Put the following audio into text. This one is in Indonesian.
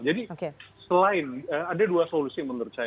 jadi selain ada dua solusi menurut saya